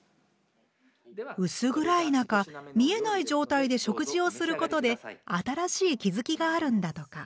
薄暗い中見えない状態で食事をすることで新しい気付きがあるんだとか。